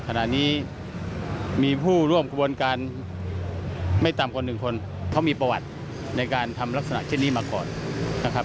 ขณะนี้มีผู้ร่วมขบวนการไม่ต่ำกว่า๑คนเขามีประวัติในการทำลักษณะเช่นนี้มาก่อนนะครับ